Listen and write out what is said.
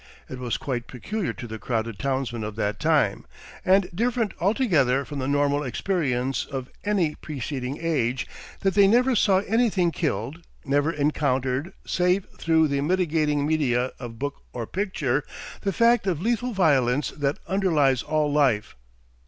It was quite peculiar to the crowded townsmen of that time, and different altogether from the normal experience of any preceding age, that they never saw anything killed, never encountered, save through the mitigating media of book or picture, the fact of lethal violence that underlies all life.